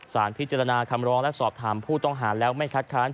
สารพิจารณาคำร้องและสอบถามผู้ต้องหาแล้วไม่คัดค้าน